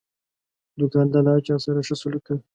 دوکاندار له هر چا سره ښه سلوک کوي.